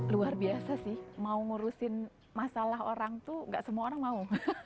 luar biasa sih mau ngurusin masalah orang tuh gak semua orang mau